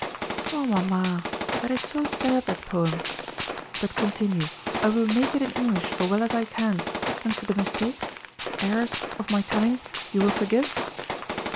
'" "Oh, mamma, that is so sad, that poem, but continue I will make it in English so well as I can, and for the mistakes errors of my telling you will forgive?